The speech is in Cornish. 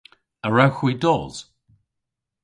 A wrewgh hwi dos?